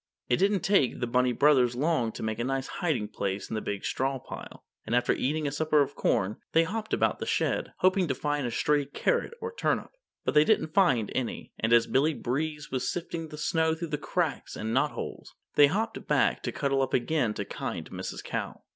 It didn't take the Bunny Brothers long to make a nice hiding place in the big straw pile, and after eating a supper of corn, they hopped about the shed, hoping to find a stray carrot or turnip. But they didn't find any, and as Billy Breeze was sifting the snow through the cracks and knotholes, they hopped back to cuddle up again to kind Mrs. Cow.